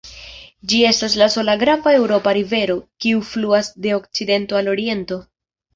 Ĝi estas la sola grava eŭropa rivero, kiu fluas de okcidento al oriento.